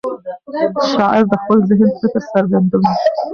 شاعر د خپل ذهن فکر څرګندوي.